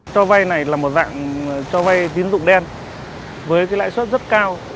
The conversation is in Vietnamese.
cho vay này là một dạng cho vay tín dụng đen với cái lãi suất rất cao